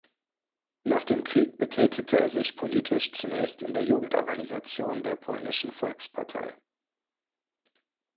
Nach dem Krieg betätigte er sich politisch zunächst in der Jugendorganisation der Polnischen Volkspartei.